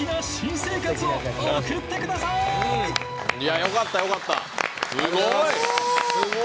よかったよかった。